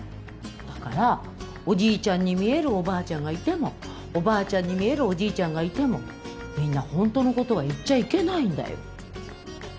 だからおじいちゃんに見えるおばあちゃんがいてもおばあちゃんに見えるおじいちゃんがいてもみんなホントのことは言っちゃいけないんだよ。